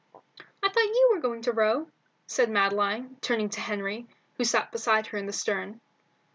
"I thought you were going to row?" said Madeline, turning to Henry, who sat beside her in the stern.